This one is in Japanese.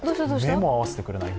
目も合わせてくれない。